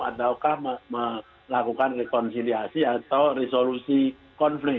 ataukah melakukan rekonsiliasi atau resolusi konflik